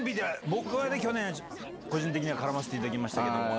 僕は去年、個人的には絡ませていただきましたけど。